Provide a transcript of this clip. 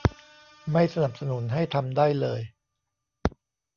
ไม่สนับสนุนให้ทำได้เลย